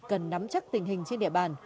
cần nắm chắc tình hình trên địa bàn